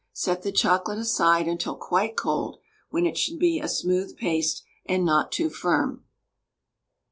Set the chocolate aside until quite cold, when it should be a smooth paste, and not too firm.